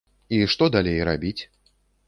І што далей рабіць?